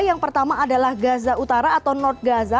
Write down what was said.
yang pertama adalah gaza utara atau nort gaza